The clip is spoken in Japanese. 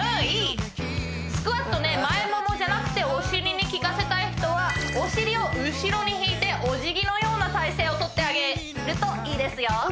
いいスクワットね前ももじゃなくてお尻に効かせたい人はお尻を後ろに引いてお辞儀のような体勢をとってあげるといいですよ